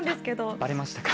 あばれましたか？